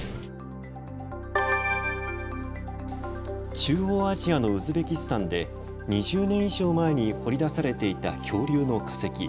中央アジアのウズベキスタンで２０年以上前に掘り出されていた恐竜の化石。